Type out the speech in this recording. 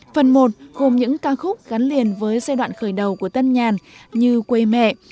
phần một gồm những ca khúc gắn liền với giai đoạn khởi đầu của tân nhàn như quê mẹ